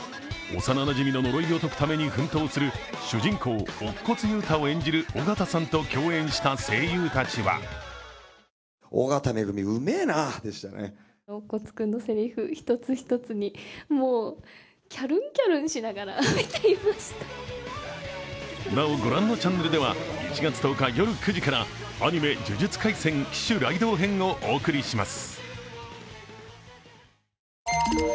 幼なじみののろいを解くために奮闘する主人公・乙骨憂太を演じる緒方さんと共演した声優たちはなお、御覧のチャンネルでは１月１０日夜９時から「アニメ呪術廻戦起首雷同編」をお送りします。